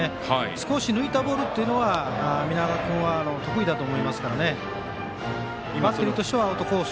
少し抜いたボールというのは南川君は得意だと思いますからねバッテリーとしてはアウトコース